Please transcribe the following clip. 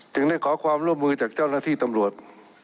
ได้ขอความร่วมมือจากเจ้าหน้าที่ตำรวจ